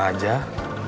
gak usah dipikirin